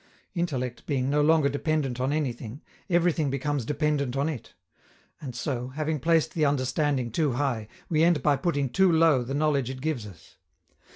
Intellect being no longer dependent on anything, everything becomes dependent on it; and so, having placed the understanding too high, we end by putting too low the knowledge it gives us.